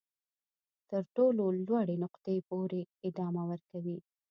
تر تر ټولو لوړې نقطې پورې ادامه ورکوي.